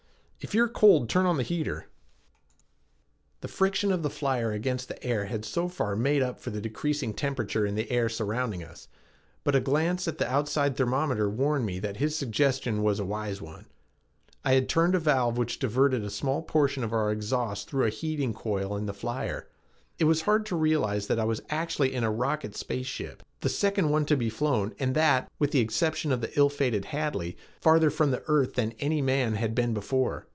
If you're cold, turn on the heater." The friction of the flyer against the air had so far made up for the decreasing temperature of the air surrounding us, but a glance at the outside thermometer warned me that his suggestion was a wise one. I turned a valve which diverted a small portion of our exhaust through a heating coil in the flyer. It was hard to realize that I was actually in a rocket space ship, the second one to be flown and that, with the exception of the ill fated Hadley, farther from the earth than any man had been before.